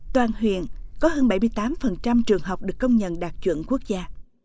toàn huyện có hơn bảy mươi tám trường học được công nhận đạt chuẩn quốc gia